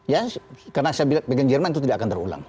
ya karena saya ingin jerman itu tidak akan terulang